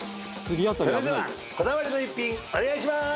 それではこだわりの一品お願いします！